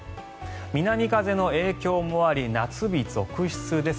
南風の影響もあり夏日続出です。